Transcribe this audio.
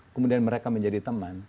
kemudian mereka menjadi teman